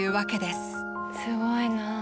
すごいな。